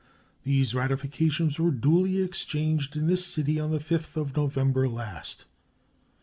These ratifications were duly exchanged in this city on the 5th of November last.